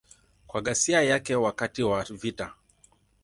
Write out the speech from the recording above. Kwa ghasia yake wakati wa vita.